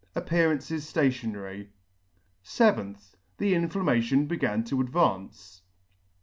Appearances flationary. yth. The inflammation began to advance.